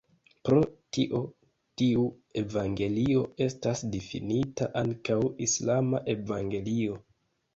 Pro tio tiu evangelio estas difinita ankaŭ "islama evangelio".